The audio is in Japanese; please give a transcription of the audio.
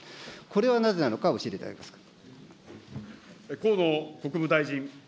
これはなぜなのか、教えていただけますか。